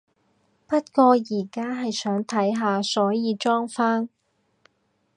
不過而家係想睇下，所以裝返